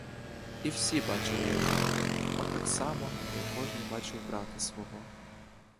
І всі бачили його — от так само, як кожний бачив брата свого.